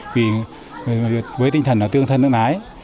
vì với tinh thần tương thân nước nái